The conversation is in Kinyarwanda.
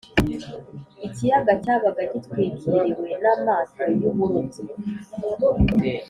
ikiyaga cyabaga gitwikiriwe n’amato y’uburobyi